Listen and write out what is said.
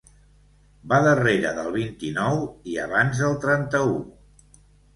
Va darrere del vint-i-nou i abans del trenta-u.